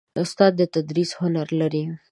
استاد د تدریس هنر لري.